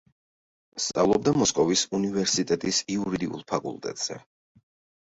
სწავლობდა მოსკოვის უნივერსიტეტის იურიდიულ ფაკულტეტზე.